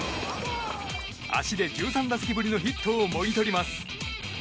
足で１３打席ぶりのヒットをもぎ取ります。